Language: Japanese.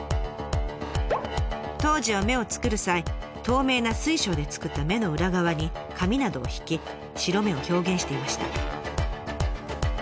当時は目を作る際透明な水晶で作った目の裏側に紙などを敷き白目を表現していました。